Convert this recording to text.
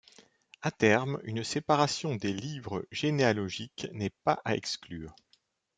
À terme, une séparation des livres généalogiques n'est pas à exclure.